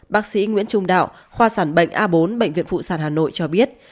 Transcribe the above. bác sĩ nguyễn trung đạo khoa sản bệnh a bốn bệnh viện phụ sản hà nội cho biết